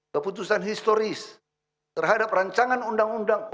keputusan historis terhadap rancangan undang undang khp ini